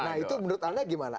nah itu menurut anda gimana